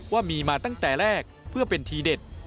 ว่ามีมาตั้งแต่แรกเพื่อเป็นทีเด็ด